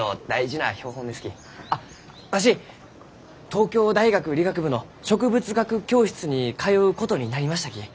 あっわし東京大学理学部の植物学教室に通うことになりましたき